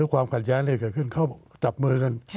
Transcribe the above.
ความขัดแย้งอะไรเกิดขึ้นเขาจับมือกัน